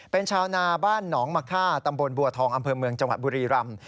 เป็นชาวนาบ้านหนองมะค่าตำบลบัวทองอำเภอเมืองจังหวัดบุรีรำ